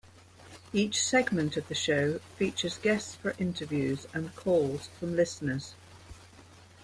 Each segment of the show features guests for interviews and calls from listeners.